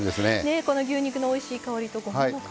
この牛肉のおいしい香りとごまの香り。